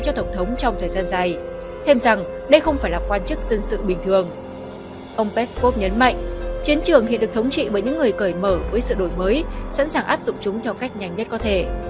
ông peskov nhấn mạnh chiến trường hiện được thống trị bởi những người cởi mở với sự đổi mới sẵn sàng áp dụng chúng theo cách nhanh nhất có thể